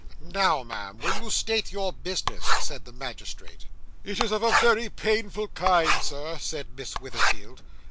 'Now, ma'am, will you state your business?' said the magistrate. 'It is of a very painful kind, Sir,' said Miss Witherfield.